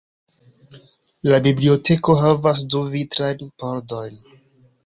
La biblioteko havas du vitrajn pordojn.